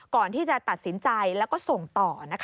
ก่อนที่จะตัดสินใจแล้วก็ส่งต่อ